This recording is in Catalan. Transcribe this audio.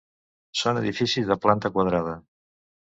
Són edificis de planta quadrada.